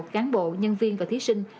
cán bộ nhân viên và thí sinh